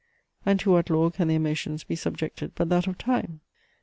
And to what law can their motions be subjected but that of time?